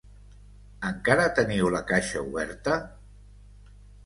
Encara teniu la caixa oberta?